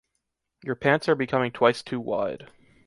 Your pants are becoming twice to wide.